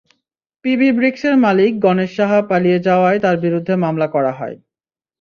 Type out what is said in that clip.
PB ব্রিকসের মালিক গণেশ সাহা পালিয়ে যাওয়ায় তাঁর বিরুদ্ধে মামলা করা হয়।